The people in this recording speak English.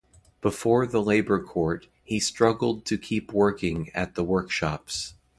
Before the labour court, he struggled to keep working at the Workshops.